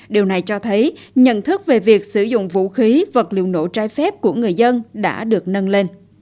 điều này cho thấy nhận thức về việc sử dụng vũ khí vật liệu nổ trai phép của người dân đã được nâng lên